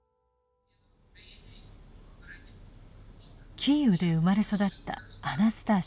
キーウで生まれ育ったアナスターシャさん。